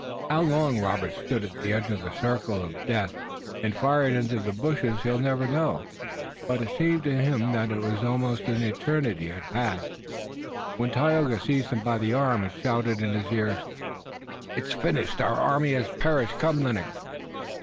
How long Robert stood at the edge of the circle of death and fired into the bushes he never knew, but it seemed to him that almost an eternity had passed, when Tayoga seized him by the arm and shouted in his ear. "It is finished! Our army has perished! Come, Lennox!"